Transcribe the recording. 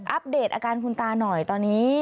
เดตอาการคุณตาหน่อยตอนนี้